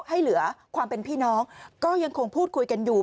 ให้เหลือความเป็นพี่น้องก็ยังคงพูดคุยกันอยู่